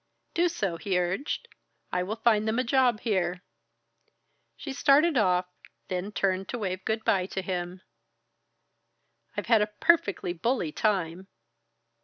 "Do so," he urged. "I will find them a job here." She started off, then turned to wave good by to him. "I've had a perfectly bully time!"